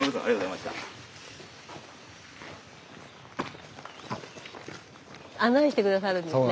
スタジオ案内して下さるんですね。